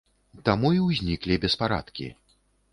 Таму і ўзніклі беспарадкі.